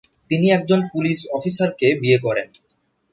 তিনি একজন পুলিশ অফিসারকে বিয়ে করেন।